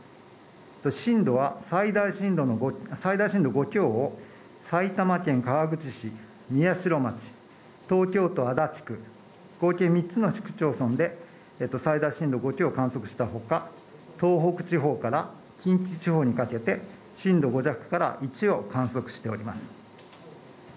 震度は、最大震度の後最大震度５強を埼玉県川口市宮代町、東京都足立区、合計三つの市区町村で最大震度５強を観測したほか、東北地方から近畿地方にかけて震度５弱から１を観測しております。